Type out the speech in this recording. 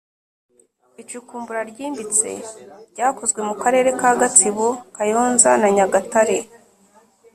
Icukumbura ryimbitse ryakozwe mu karere ka gatsibo kayonza na nyagatare